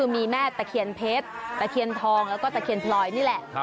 มีแม่ตะเคียนเพชรตะเคียนทองแล้วก็ตะเคียนพลอยนี่แหละ